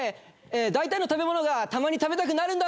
大体の食べ物がたまに食べたくなるんだ！